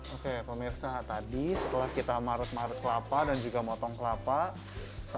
oke pemirsa tadi setelah kita marut marut kelapa dan juga motong kelapa saatnya nih masukin gula